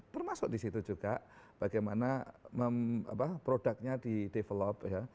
termasuk disitu juga bagaimana produknya di develop ya